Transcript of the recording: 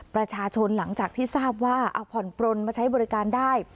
หลังจากที่ทราบว่าเอาผ่อนปลนมาใช้บริการได้